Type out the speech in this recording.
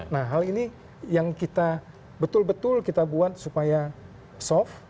nah hal ini yang kita betul betul kita buat supaya soft